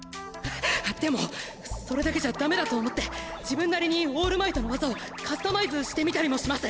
でもそれだけじゃダメだと思って自分なりにオールマイトの技をカスタマイズしてみたりもします。